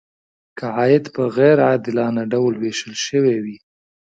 که عاید په غیر عادلانه ډول ویشل شوی وي.